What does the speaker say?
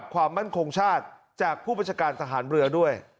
ความมั่นคงชาติจากผู้บัญชการสถานบริเวณด้วย